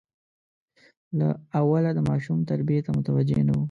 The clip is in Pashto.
له اوله د ماشوم تربیې ته توجه نه وه.